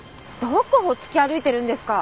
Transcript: どこほっつき歩いてるんですか？